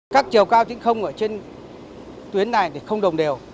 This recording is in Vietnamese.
các chiều cao tính không ở trên tuyến này thì không đồng đều